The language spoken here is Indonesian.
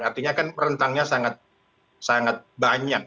artinya kan rentangnya sangat banyak